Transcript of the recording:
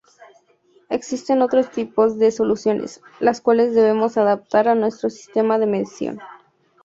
Existen otros tipos de soluciones, las cuales debemos adaptar a nuestro sistema de medición.